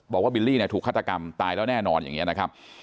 บอกว่าบิลลี่ถูกฆาตกรรมตายแล้วแน่นอนอย่างเงี้ยนะครับ